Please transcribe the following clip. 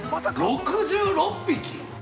◆６６匹！！